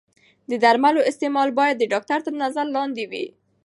د درملو استعمال باید د ډاکتر تر نظر لاندې وي.